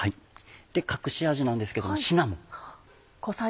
隠し味なんですけどもシナモン。